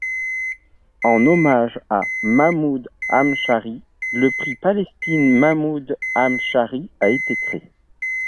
En hommage à Mahmoud Hamchari, le prix Palestine-Mahmoud Hamchari a été créé.